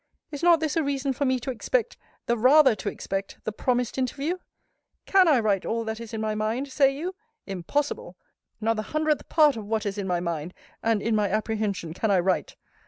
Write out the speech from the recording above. Is not this a reason for me to expect, the rather to expect, the promised interview? CAN I write all that is in my mind, say you? Impossible! Not the hundredth part of what is in my mind, and in my apprehension, can I write!